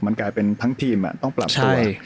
มันกลายเป็นทั้งทีมต้องปรับตัว